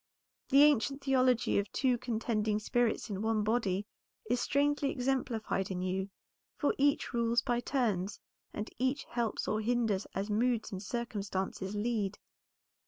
The ancient theology of two contending spirits in one body, is strangely exemplified in you, for each rules by turns, and each helps or hinders as moods and circumstances lead.